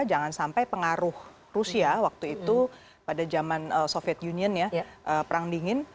jangan sampai pengaruh rusia waktu itu pada zaman soviet union ya perang dingin